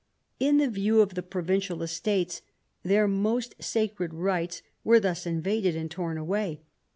In the view of the provincial Estates, their " most sacred rights" were thus invaded and torn away.